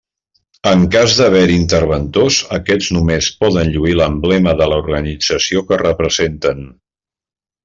En cas d'haver-hi interventors, aquests només poden lluir l'emblema de l'organització que representen.